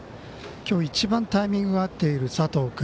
今日一番タイミングが合っている佐藤君。